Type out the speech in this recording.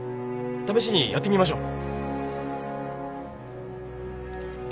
試しにやってみましょう。